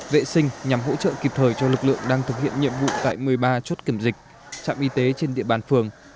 vệ sinh nhằm hỗ trợ kịp thời cho lực lượng đang thực hiện nhiệm vụ tại một mươi ba chốt kiểm dịch trạm y tế trên địa bàn phường